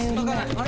あれ？